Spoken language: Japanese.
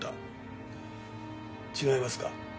違いますか？